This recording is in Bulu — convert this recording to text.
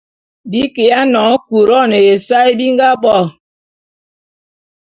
Be kiya nyoñe Couronne ya ésae be nga bo.